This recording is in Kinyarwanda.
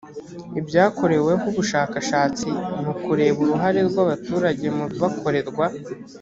ibyakoreweho bushakashatsi mu kureba uruhare rw abaturage mu bibakorerwa